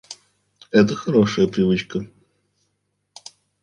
Это хорошая привычка